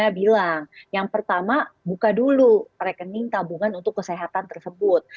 saya bilang yang pertama buka dulu rekening tabungan untuk kesehatan tersebut